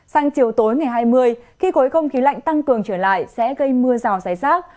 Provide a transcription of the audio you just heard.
sang chiều tối ngày hai mươi khi khối không khí lạnh tăng cường trở lại sẽ gây mưa rào rải rác